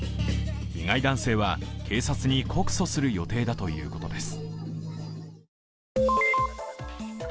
被害男性は、警察に告訴する予定だということです。